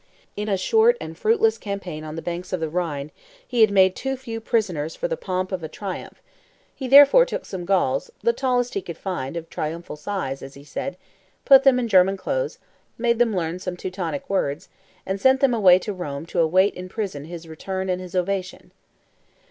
In a short and fruitless campaign on the banks of the Rhine, he had made too few prisoners for the pomp of a triumph; he therefore took some Gauls, the tallest he could find, of triumphal size, as he said, put them in German clothes, made them learn some Teutonic words, and sent them away to Rome to await in prison his return and his ovation.